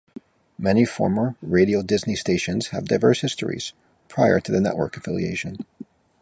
Many former Radio Disney stations have diverse histories prior to the network affiliation.